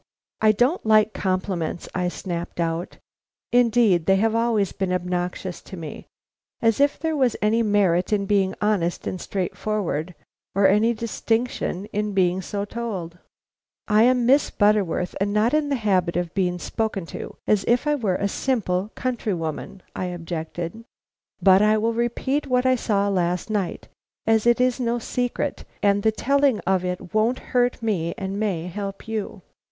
"I don't like compliments," I snapped out. Indeed, they have always been obnoxious to me. As if there was any merit in being honest and straightforward, or any distinction in being told so! "I am Miss Butterworth, and not in the habit of being spoken to as if I were a simple countrywoman," I objected. "But I will repeat what I saw last night, as it is no secret, and the telling of it won't hurt me and may help you."